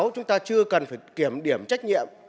chúng ta chưa cần phải kiểm điểm trách nhiệm